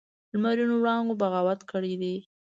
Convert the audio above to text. لمرینو وړانګو بغاوت کړی دی